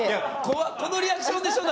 このリアクションでしょ？